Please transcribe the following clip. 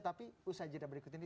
tapi usaha kita berikut ini